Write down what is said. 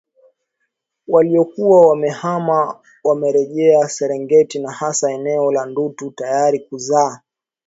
waliokuwa wamehama wamerejea Serengeti na hasa eneo la Ndutu tayari kuzaa